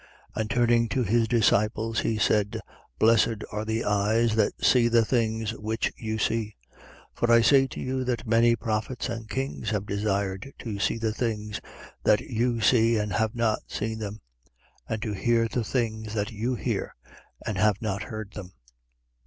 10:23. And turning to his disciples, he said: Blessed are the eyes that see the things which you see. 10:24. For I say to you that many prophets and kings have desired to see the things that you see and have not seen them; and to hear the things that you hear and have not heard them.